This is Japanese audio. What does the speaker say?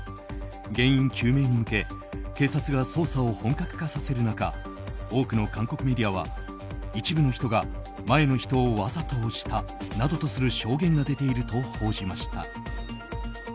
原因究明に向け警察が捜査を本格化させる中多くの韓国メディアは一部の人が前の人をわざと押したなどとする証言が出ていると報じました。